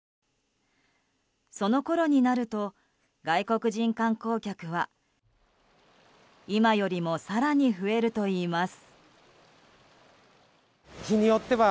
そのころになると外国人観光客は今よりも更に増えるといいます。